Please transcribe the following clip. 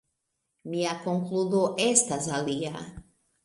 Mia konkludo estas alia.